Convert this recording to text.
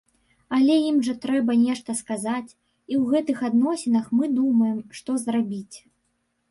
Але ім жа трэба нешта сказаць, і ў гэтых адносінах мы думаем, што зрабіць.